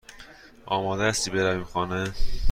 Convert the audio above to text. آماده هستی برویم خانه؟